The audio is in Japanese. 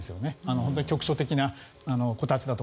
本当に局所的なこたつだとか